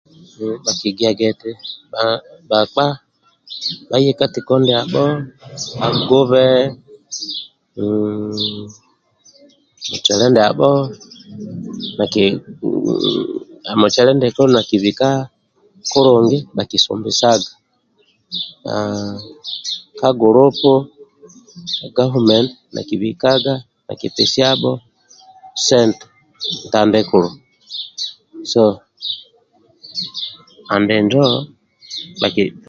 Ehh bhakigia eti bhakpa bhaye ka tiko ndiabho bagube mmm mucele ndiabho mucele ndiako nakubika kulungi bakisumbesaga haaa ka gulupu nakibikaga nakipesia sente ntandikulu so andinjo bhaki